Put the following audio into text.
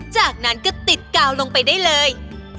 จากนั้นก็ติดกาวลงไปได้เลย